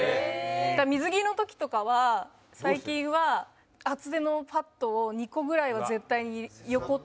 水着の時とかは最近は厚手のパッドを２個ぐらいは絶対に横と下は入れないと。